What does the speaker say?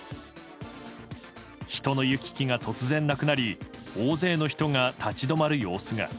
人の行き来が突然なくなり大勢の人が立ち止まる様子が。